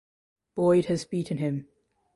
Boyd has beaten him.